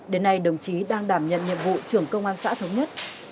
đến nay đồng chí đang đảm nhận nhiệm vụ trưởng công an xã thống nhất